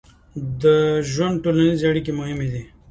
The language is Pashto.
د ژوند ټولنیزې اړیکې مهمې دي.